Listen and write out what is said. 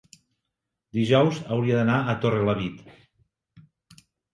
dijous hauria d'anar a Torrelavit.